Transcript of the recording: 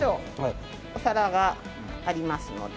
お皿がありますので。